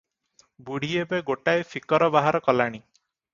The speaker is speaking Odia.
ବୁଢୀ ଏବେ ଗୋଟାଏ ଫିକର ବାହାର କଲାଣି ।